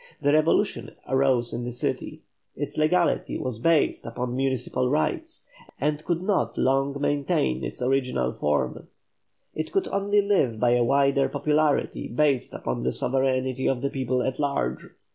The revolution arose in the cities; its legality was based upon municipal rights, and could not long maintain its original form. It could only live by a wider popularity based upon the sovereignty of the people at large.